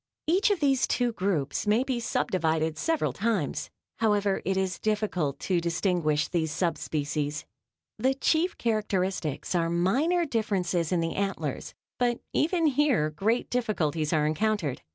Each of these two groups may be sub divided several times. However, it is difficult to distinguish these sub species. The chief characteristics are minor differences in the antlers, but even here great difficulties are encountered.